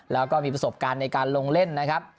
แล้วก็มีประสบการณ์ในการลงเล่นนะครับ